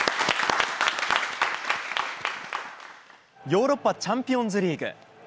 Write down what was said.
ヨーロッパチャンピオンズリーグ。